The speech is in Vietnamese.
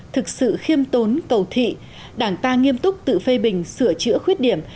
thực sự khiêm tốn cầu thị đảng ta nghiêm túc tự phê bình sửa chữa khuyết điểm